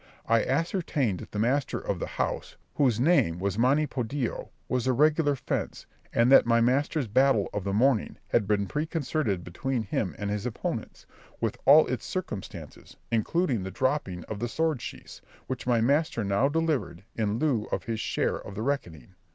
I ascertained that the master of the house, whose name was Monipodio, was a regular fence, and that my master's battle of the morning had been preconcerted between him and his opponents, with all its circumstances, including the dropping of the sword sheaths, which my master now delivered, in lieu of his share of the reckoning.